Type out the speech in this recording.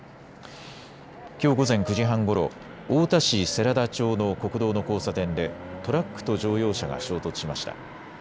きょう午前９時半ごろ太田市世良田町の国道の交差点でトラックと乗用車が衝突しました。